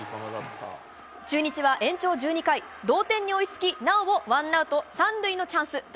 中日は延長１２回同点に追いつきなおもワンアウト３塁のチャンス。